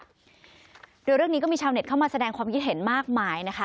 โดยเรื่องนี้ก็มีชาวเน็ตเข้ามาแสดงความคิดเห็นมากมายนะคะ